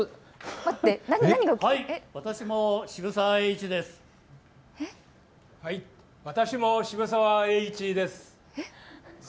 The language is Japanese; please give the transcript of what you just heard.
私も渋沢栄一です。